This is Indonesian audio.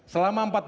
dalam arti konsisten